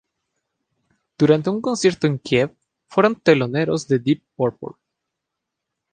Durante un concierto en Kiev, fueron teloneros de Deep Purple.